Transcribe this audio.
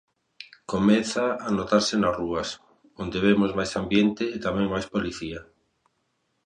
Comeza a notarse nas rúas, onde vemos máis ambiente e tamén máis policía.